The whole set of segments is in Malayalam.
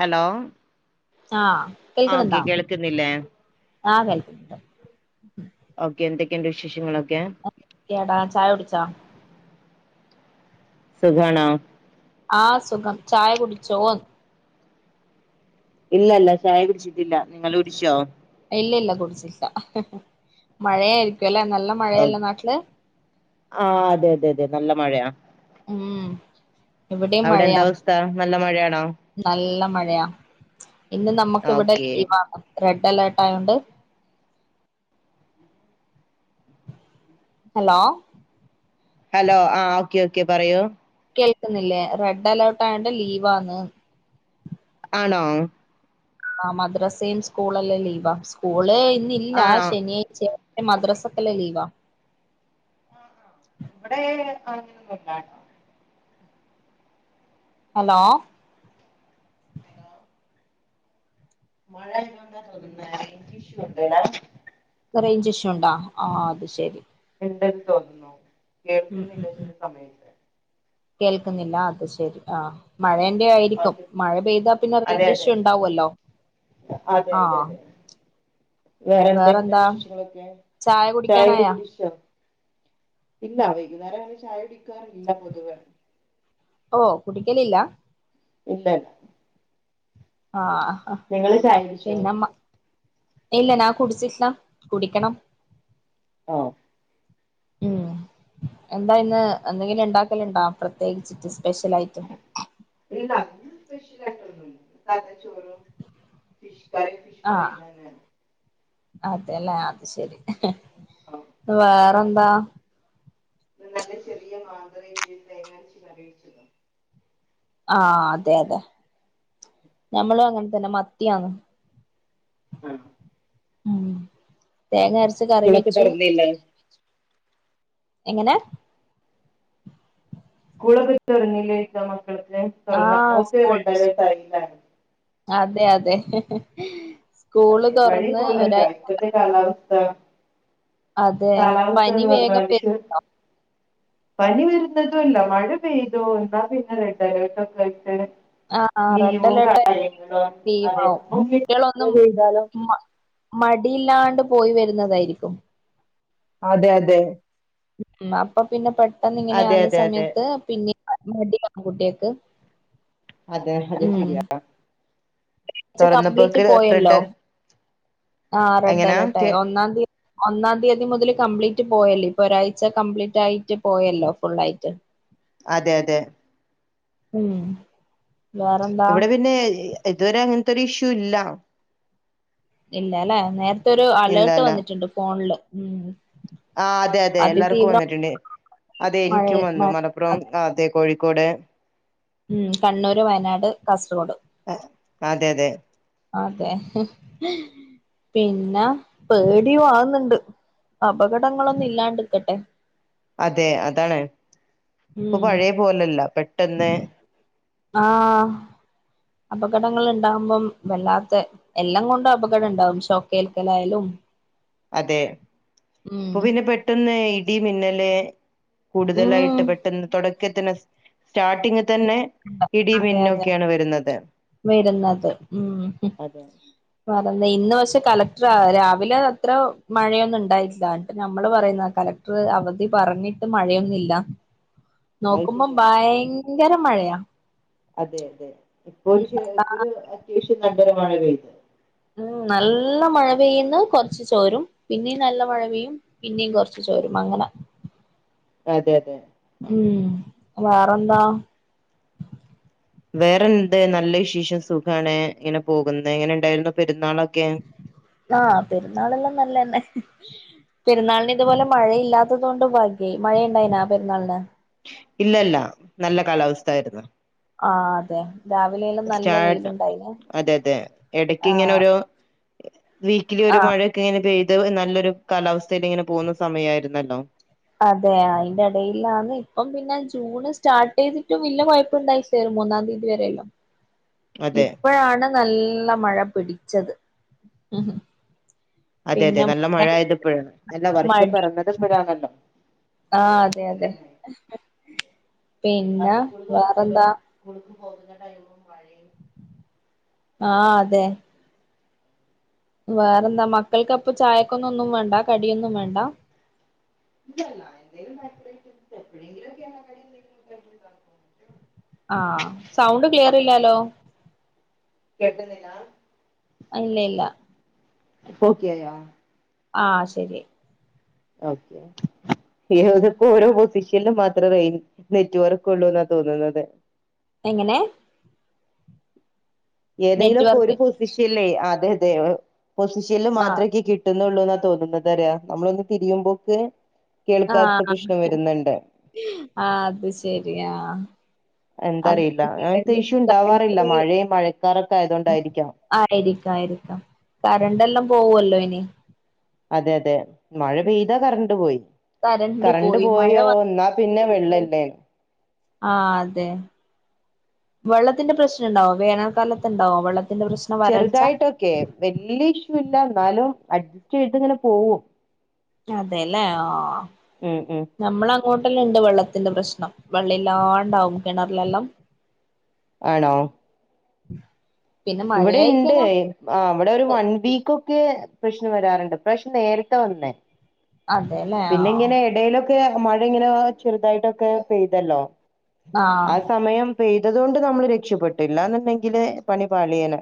ഹലോ ആഹ് ആ ഓക്കെ കേൾക്കുന്നുണ്ടോ? കേൾക്കുന്നില്ലേ ക്കെണ്ട് വിശേഷങ്ങള് കേടാ ചായ കുടിച്ചോ സുഗാണോ ആ സുഖം ചായ കുടിച്ചോന്ന് ഇല്ലല്ല ചായ കുടിച്ചിട്ടില്ല ങ്ങള് കുടിച്ചോ ല്ലല്ല കുടിച്ചിട്ട്ല്ല മഴയായിരിക്കും ല്ലെ ഓ അതെ അതെ അതെ നല്ല മ മഴയാ ഉം ഇവിടെയും അവിടെ എന്ത മഴയാ അവസ്ഥ നല്ല മഴാണോ നല്ല മഴയാ ഇന്ന് നമ്മക്ക് ഇവിടെ ഓക്കെ ലീവാണ് റെഡ് അലേർട്ട് ആയൊണ്ട് ഹലോ ഹലോ ആ ഓക്കെ ഓക്കെ പറയൂ കേൾക്കുന്നില്ലേ റെഡ് അലേർട്ട് ആയോണ്ട് ലീവാന്ന് ആണോ ആ മദ്രസേം സ്കൂൾ എല്ലാം ലീവാ സ്കൂളെ ഇന്നില്ല ആണോ ശനിയഴ്ച മദ്രസക്കല്ലോ ലീവാ ഇവിടെ അങ്ങനൊന്നുല്ലാട്ടോ ഹലോ [unintelligible] റേഞ്ച്ശു ണ്ടോ ആ അത് ശെരി ഇണ്ടെന്ന് തോന്നുന്നു കേൾക്ക്ന്നില്ല ഉം ചെല സമയത്ത് കേൾക്കുന്നില്ല അത് ശരി ആ മഴ- ആയിരിക്കും ഓക്കെ മഴ പെയ്താ പിന്നെ അതെ റേൻജ് അതെ ഇഷു ഉണ്ടാവല്ലോ അതെ ആ അതെ അതെ വേറെ എന്തുണ്ട് വേറന്താ വിശേഷങ്ങളൊക്കെ ചായ ചായൊക്കെ കുടിക്കാനായോ കുടിച്ചോ ഇല്ല വൈകുന്നേരം ഇനി ചായ കുടിക്കും ഇല്ല പൊതുവെ ഓ കുടിക്കലില്ല ഇല്ല ആഹ് നിങ്ങള് ചായ കുടിച്ചോ പിന്നെമ്മ ഇല്ല നാ കുടിച്ചിട്ടില്ല കുടിക്കണം ആഹ് ഉം എന്താ ഇന്ന് എന്തെങ്കിലും ഇണ്ടാക്കല് ഇണ്ടോ പ്രത്യേകിച്ചിട്ട് സ്പെഷ്യൽ ആയിട്ട് സ്പെഷ്യൽ ആയിട്ടൊന്നും ഇല്ല സാതാ ചോറും ഫിഷ് കറിയും ഫിഷ് ആ ഫ്രൈയും തന്നെയാണ് അതെല്ലേ അത് ശെരി [unintelligible] ഇത്രേം ചെയ്ത് തേങ്ങരച്ച് കറി വെച്ച് ആ അതെ അതെ ഞമ്മളും അങ്ങന പിന്നെ മത്യാന്ന് ആ ഉം തേങ്ങരച്ച് കറി സ്കൂളൊക്കെ വെച്ചു തുറന്നില്ലേ എങ്ങനെ സ്കൂളൊക്കെ തൊറന്നില്ലെക്യ മ തൊർന്ന് ആഹ് തൊർന്നപ്പോക്ക് സ്കൂൾ റെഡ് അലേർട്ട് ആയില്ല [unintelligible] അതെ അതെ സ്കൂള് അതെ പഴേ തുറന്ന് പോലല്ല ഒരാഴ് ഇപ്പത്തെ കാലാവ സ്ഥ [unintelligible] അതെ പനി വേഗം ചെ- പെരുക്കുന്നോ പനി വരുന്നതു അല്ല മഴ പെയ്തോ എന്നാ പിന്നെ റെഡ് അലേർട്ട് ഒക്കെ ആയിട്ട്- ആഹ് റെഡ് ലീവോ അലേർട്ട് കാര്യങ്ങളോ ആണേൽ ടീമാവും [unintelligible] മഴ കുട്ടികളൊന്നും പെയ്താലോ മ മടിയില്ലാണ്ട് പോയി വരുന്നതായിരിക്കും അതെ അതെ മ് അപ്പൊ പിന്നെ പെ പെട്ടെന്ന് അതെ ഇങ്ങനെയാവുന്ന അതെ അതെ സമയത്ത് പിന്നെ മടിയാവും കുട്ടിയക്ക് അതെ അത് ശരിയാ കംപ്ലീറ്റ് തുറന്നപ്പോക്ക് പോയല്ലോ റെഡ് ആഹ് റെഡ് എങ്ങനാ അലേർട്ട ആയി കേ ഒന്നാം തീയ ഒന്നാം തീയതി മുതൽ കംപ്ലീ പോയല്ലേ ഇപ്പൊ ഒരാഴ്ച കംപ്ലീറ്റ് ആയിട്ട് പോയല്ലോ ഫുൾ ആയിട്ട് അതെ അതെ ഉം വേറെന്താ ഇവിടെ പിന്നെ ഇതുവരെ അങ്ങനെ ഒരിഷ്യൂ ഇല്ലാ ഇല്ല ല്ലെ നേരത്തെ ഒരു അലേർട്ട് ഇല്ലല്ല വന്നിട്ടുണ്ട് ഫോൺല് ഉം ആ അതെ അതെ എല്ലാർക്കും അതിതീവ്ര വന്നിട്ടുണ്ട്. അതെ മഴ ഇൻക്കും വന്നു മഴ മലപ്പുറം അതെ കോഴിക്കോട് മ് കണ്ണൂർ, വയനാട്, കാസർഗോഡ്. ഹ അതെ അതെ അതെ ഹ് പിന്നെ പേടിയു ആവ്ന്ന്ണ്ട് അപകടങ്ങളൊന്നു ഇല്ലാണ്ട്ക്കട്ടെ. അതെ അതാണ് പ്പൊ ഉം പഴയ പോലെല്ല പെട്ടെന്ന് ആഹ് അപകടങ്ങൾ ഉണ്ടാവുമ്പം വല്ലാത്ത എല്ലാം കൊണ്ടും അപകടം ഉണ്ടാവും ഷോക്കേൽക്കലായാലും അതെ ഉം ഇപ്പൊ പിന്നെ പെട്ടന്ന് ഇഡി മിന്നല് ഉം കൂടുതലായിട്ട് പെട്ടെന്ന് തുടക്കത്തിന് സ്റ്റാർട്ടിങ് തന്നെ ഇടി അതെ അതെ മിന്നൊക്കെയാണ് വരുന്നത് അതെ പറഞ്ഞു ഇന്ന് പക്ഷെ കലക്ടർ രാവിലെ അത്ര മഴയൊന്നും ഉണ്ടായില്ല എന്നിട്ട് നമ്മള് പറയുന്ന കലക്ടർ അവധി പറഞ്ഞിട്ടും മഴയൊന്നുമില്ല അത് നോക്കുമ്പോം ശരിയാണ് ഭയ ങ്കര മഴയാ അതെ അതെ ഇപ്പൊ ഒരു ഇപ്പ ഒരു അത്യാവശ്യ നല്ലൊര് മഴ പെയ്ത് ഉം നല്ല മഴ പെയ്യുന്ന കൊ റച്ച് ചോരും പിന്നെയും നല്ല മഴ പെയ്യും പിന്നെയും കൊറച്ച് ചോരും അങ്ങനെ അതെ അതെ ഉം വേറെന്താ വേറെന്ത് നല്ല വിശേഷം സുഖാണ് ഇങ്ങനെ പോകുന്നത് ങ്ങനെ ഉണ്ടായിരുന്നു പെരുന്നാളൊ ആ പെരുന്നാളെല്ലാം നല്ലന്നെ. പെരുന്നാളിന് ഇതുപോലെ മഴയില്ലാത്തത് കൊണ്ട് ഭാഗ്യായി. മഴയുണ്ടായിനാ പെരുന്നാളിന്? ഇല്ലല്ല നല്ല കാലാവസ്ഥായിരുന്നു ആഹ് അതെ രാവിലെയെല്ലാം നല്ല ചായ ഇടാം വെയിലുണ്ടായിന് അതെ അതെ ഇടക്ക് ആഹ് ഇങ്ങനെരു വീക്കിലി ഒരു മഴക്കെ ഇങ്ങനെ പെയ ഇത് നല്ലൊരു കാലാവസ്ഥയേൽ ഇങ്ങനെ പോകുന്ന സമയ ആരുന്നല്ലോ അതെ അതിന്റെ എടയിലാന്ന് ഇപ്പം പിന്നെ ജൂണ് സ്റ്റാർട്ട് ചെയ്തിട്ടും വെല്ല കുഴപ്പ ഇണ്ടായിട്ടില്ല ഒരു മൂന്നാം തീയതി വരെെയല്ലാം അതെ ഇപ്പോഴാണ് നല്ല മഴ പിടിക്കും ച്ചത് അതെ അതെ നല്ല മഴ ആയത് ഇപ്പഴാ അല്ല വർഷം പിറന്നത് ഇപ്പഴാണല്ലോ ആഹ് അതെ അതെ ആ പിന്നെ സ്കൂൾ തുറക്കലും വേറെന്താ സ്കൂൾക്ക് പോകുന്ന ടൈമും മഴയും ആഹ് അതെ വേറെന്താ മക്കൾക്ക് ചായക്കൊന്നും വേണ്ട കടിയൊന്നും വേണ്ട [unintelligible] ആഹ് സൗണ്ട് ക്ലിയർ ഇല്ലാലോ കേൾക്കുന്നില്ല ഇല്ല ഇല്ല ഇപ്പോക്കിയായാ? ആഹ് ശരി ഒക്കെ ഓരോ പൊസിഷനും മാത്രേ റെയിജ് നെറ്റ്വർക്ക് ഉള്ളൂ എന്നാ തോന്നുന്നത് എങ്ങനെ? ഏതെങ്കിലും ഒക്കെ ഒരു നെറ്റ്വർക്ക് പൊസിഷ ല്ലേ അതെ അതെ പൊസിഷനൽ ആ മാത്രമേക്ക് കിട്ടും ള്ളൂ എന്നാ തോന്നുന്നുന്നത് ന്താറിയോ നമ്മളൊന്ന് തിരിയുമ്പോക്ക് ആ കേൾക്കാത്ത പ്രശ്നം വരുന്നുണ്ട് ആ അത് ശെരിയാ അ എന്താ ക അറിയില്ല അങ്ങനത്തെ ഇഷ്യൂ ഉണ്ടാവാറില്ല മഴയും മഴക്കാറൊക്കെ [unintelligible] ആയതുകൊണ്ടായിരിക്കാം ആയിരിക്ക ആയിരിക്കാം കറണ്ട് എല്ലാം പോവല്ലോ ഇനി അതെ അതെ മഴ പെയ്താ കറണ്ട് പോയി കരണ്ട് കറണ്ട് പോയി മഴ പോയോ എന്നാ പിന്നെ വന്ന വെള്ളല്ലേനു ആ അതെ വെള്ളത്തിന്റെ പ്രശ്നം ഉണ്ടാവോ വേനൽക്കാലത്ത്ണ്ടാവോ വെള്ളത്തി ചെറുതായിട്ടൊക്കെ വല്ല്യ ഇഷ് ഇല്ല എന്നാലും അഡ്ജസ്റ്റ് ചെയ്തിങ്ങനെ പോകും അതെല്ലേ ആ ഉം നമ്മള ഇങ്ങോട്ടലുണ്ട് വെള്ളത്തിന്റെ പ്രശ്നം വെള്ളം ഇല്ലാണ്ടാവും കിണറിലെല്ലാം ആണോ ഉ ഇവിടെ ഉണ്ട് ആ അവിടെ ഒരു വൺ വീക്ക് ഒക്കെ പ്രശ്നം വരാറുണ്ട് ഇപ്രാശം നേരിത്തെ വന്ന് അതെല്ലേ ആ മഴ ഇങ്ങനെ ചെറുതായിട്ടൊക്കെ പെയ്തല്ലോ ആ സമയം പെയ്തതുകൊണ്ട് നമ്മള് രക്ഷപ്പെട്ട് ഇല്ലാന്നുണ്ടെങ്കില് പണി പാളിയനെ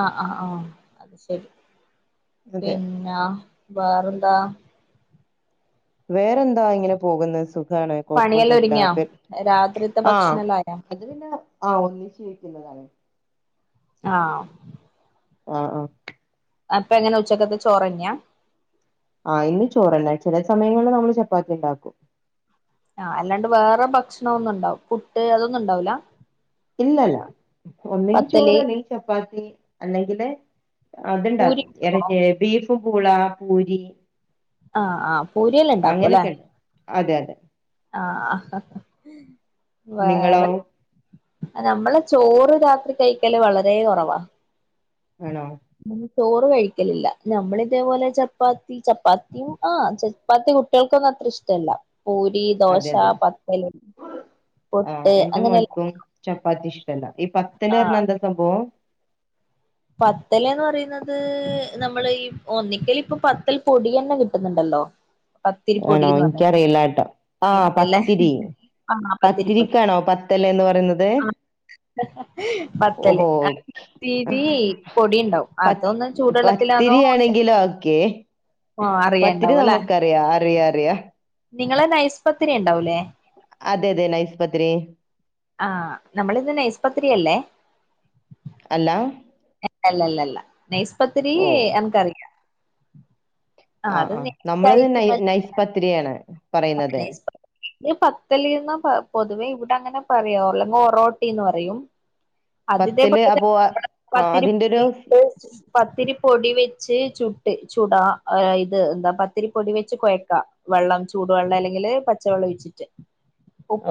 ആ ആ ആ അത് ശെരി അതെ പിന്നാ വേറെന്താ? വേറെന്താ ഇങ്ങനെ പോകുന്നത് സു പണിയെല്ലാം ഒതുങ്ങിയാ രാത്രിത്തെ ആഹ് ഭക്ഷണ എല്ലാം ആയാ? അത് പിന്നെ ആ ഒന്നിച്ച് വെക്കുന്നതാണ് ആ ആ ആ അപ്പൊ എങ്ങനെ ഉച്ചക്കത്തെ ചോറന്ന്യാ? ആഹ് ഇന്ന് ചോറല്ല ചില സമയങ്ങളിൽ നമ്മള് ചപ്പാത്തി ഉണ്ടാക്കും ആഅല്ലാണ്ട് വേറെ ഭക്ഷണ ഒന്നും ഇണ്ടാവും പുട്ട് അതൊന്നും ഉണ്ടാവൂല ഇല്ലല്ല ഒന്നിൽ പത്തല് ചോറ് അല്ലെങ്കി ചപ്പാത്തി അല്ലെങ്കിലെ പൂരി അതുണ്ടാക്കും ബീഫും പൂള പൂരി ആഹ് ആഹ് പൂരിയല്ല ഇണ്ടാക്കും അല്ലേ അത അതെ ആഹ്ആഹ്ഹ് ഹ് ഹ് നിങ്ങളോ വേറെ നമ്മളെ ചോറ് രാത്രി കഴിക്കല് വളരെ കുറവാ ആണോ ചോറ് കഴിക്കലില്ല നമ്മള ഇതേപോലെ ചപ്പാത്തി ചപ്പാത്തിയും ആ ചപ്പാത്തി കുട്ടികൾക്കൊന്നും അത്ര ഇഷ്ടല്ല പൂരി ദോശ അതെ അതെ പത്തല ആഹ് പൊട്ട് എന്റെ അങ്ങനെല്ലാം മോൻക്കും ചപ്പാത്തി ഈ പത്തല് പറഞ്ഞാൽ എന്താ സംഭവം പത്തലന്ന് പറയുന്നത് നമ്മള് ഒന്നിക്കൽ ഇപ്പൊ പത്തൽ പൊടി തന്നെ കിട്ടുന്നുണ്ടല്ലോ ആണോ പത്തിരിപ്പൊടിന്ന് പറഞ്ഞിട്ട് എനിക്കറിയില്ല ട്ടോ ആ അല്ലേ പത്തിരി ആ പത്തിരിപ്പൊടി പത്തിരിക്കാണോ പത്തല എന്ന് പറയുന്നത് ഓഹോ ഓേക്കെ ഈ പൊടി ഉണ്ടാവും അതൊന്നും ചൂടുെള്ളത്തിലാന്നോ പത്തിരിയാണെങ്കിലോ ഓക്കെ ആ അറിയണ്ടാവും അല്ലെ [unintelligible] റിയാ നിങ്ങളെ നൈസ്പത്തിരി ഉണ്ടാവൂലേ അതെ അതെ നൈസ് പത്തിരി ആ നമ്മളിന്നെ നയ്സ് പത്തിരിയല്ലേ അല്ലാ ല്ല ഇല്ലല്ല ല്ലനെയസ്പത്രി ഓ അൻക്കറിയാം ഉം ആഹ് ആഹ് നമ്മളത് നൈ നൈസ്പത്രിയാണ് പത്തല്ന്ന് പത് പൊ വേ ഇവിടൊ അങ്ങനെ പറയോ അല്ലെങ്കിൽ ഒറോട്ടി ന്ന് പറയും പത്തില് അതിതേപോലെത അപ്പൊ ആ [unintelligible] ആ, അതിന്റെ ഒരു പത്തിരിപ്പൊടി പത്തിരിപ്പൊടി വെ ചേചുട്ട് ചൂടാ ഇത് എന്താ പത്തിരിപ്പൊടി വെച്ച് കുഴക്കാം വെള്ളം- ചൂടുവെള്ളം അല്ലെങ്കില് പച്ചവെള്ളം ഒഴിച്ചിട്ട്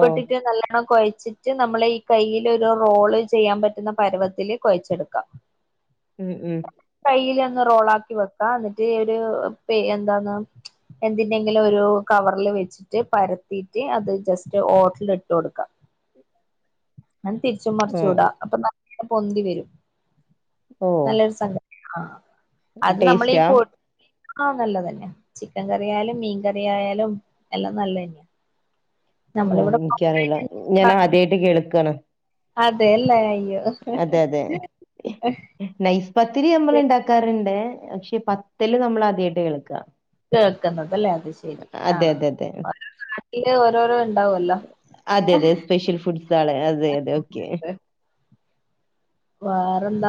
ഓ നല്ലവണ്ണം കൊഴച്ച് ച്ചിട്ട് നമ്മള് ഈ കയ്ൽ ഒരു റോള് ചെയ്യാൻ പറ്റുന്ന പർവത്തില് കൊഴച്ചെടുക്കാം. ഉം ഉം കയിൽ ഒന്ന് റോളാക്കി വെക്ക എന്നിട്ട് ഒരു എന്താന്ന് എന്തിന്റെങ്കിലും ഒരു കവറൽ വെച്ചിട്ട് പരത്തിറ്റ് അത് ജസ്റ്റ് ഓട്ടില ഇട്ട് കൊടുക്കാം. ഞാ തിരിച്ച ഓ മറിച്ചുടാം അപ്പൊ പൊന്തി വരും. ഓ നല്ലരസണ്ട്. ആഹ് ടേസ്റ്റാ ആഹ നല്ലതന്നെയ ചിക്കൻ കറ ആയാലും മീൻ കറി ആയാലും എല്ലാം നല്ലതന്നെയ ഓ എനിക്കറിയില്ല ഞാൻ ആദ്യായിട്ട് കേൾക്കാണ് അതെല്ലേ അയ്യോ അതെ അതെ നൈസ് പത്തിരി നമ്മള ഉണ്ടാക്കാറുണ്ടേ പക്ഷെ പത്തില്ല് നമ്മൾ ആദ്യമായിട്ട് കേൾക്കാ കേൾക്കുന്നതല്ലേ അത് ശരി അതെ ആഹ അതെ അതെ നാട്ടില് ഓരോരോ ഉണ്ടാവല്ലോ? അതെ അതെ സ്പെഷ്യൽ ഫുഡ്സ് ആണ് അതെ അതെ ഓക്കെ വേറെന്താ?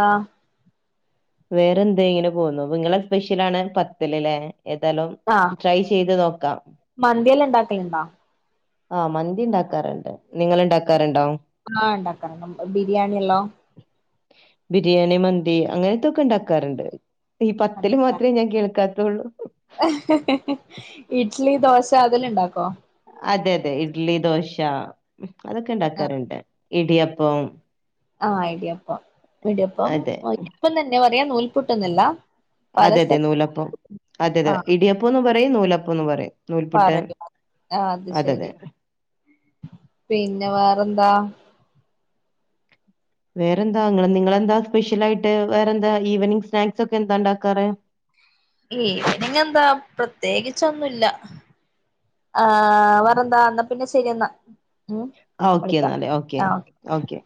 വേറെ എന്താ ഇങ്ങനെ പോന്നോ നിങ്ങളെ സ്പെഷ്യൽ ആണ് പത്തൽല്ലേ. ഏതായാലും ആഹ് ട്രൈ ചെയ്ത് നോക്കാം എന്താ? ആ മന്തി ഉണ്ടാക്കാറുണ്ട് നിങ്ങൾ ഉണ്ടാക്കാറുണ്ടോ? ആഹ് ഉണ്ടാക്കാം ബിരിയാണില്ലോ? ബിരിയാണി മന്തി അങ്ങനത്തൊക്കെ ഉണ്ടാക്കാറുണ്ട്. ഈ പത്തിൽ മാത്രമേ ഞാൻ കേൾക്കാ- ഉള്ളു ഹ് ഹ് ഇഡ്ലി ദോശ അതില ഉണ്ടാക്കോ? അതെ അതെ ഇഡ്ലി ദോശ അതൊക്കെ ഉണ്ടാക്കാറുണ്ട് ഇടിയപ്പം പ്പേം ആഹ ഇടിയപ്പം ഇടിയപ്പം അതെ ഓൽക്കും തന്നെ നൂൽപൊട്ടുന്നൊല്ല അതെ അതെ നൂലപ്പം അതെ അതെ ആഹ് ഇടിയപ്പന്ന് പറയും നൂലപ്പം പറയും നൂൽപുട്ട് പറയാ ആ അത് അതെ ശരി അതെ പിന്നെ വേറെന്താ വേറെന്താ നിങ്ങ നിങ്ങളെന്താ സ്പെഷ്യൽ ആയിട്ട് വേറെന്താ ഈവനിംഗ് സ്നാക്സ് ഒക്കെ എന്താ ഉണ്ടാക്കാറ് ഏ നിങ്ങ എന്താ പ്രത്യേകിച്ചൊന്നുംല്ല ആഹ വേറെന്താ എന്നാ പിന്നെ ശരിയെന്നാ ഓക്കേ എന്നാലേ ഓക്കേ ഓക്കെ